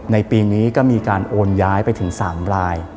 ในปีนี้ก็มีการโอนย้ายไปถึง๓ราย